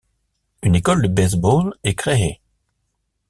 Une école de baseball est créée.